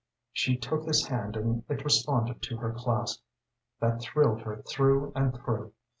She took his hand and it responded to her clasp. That thrilled her through and through.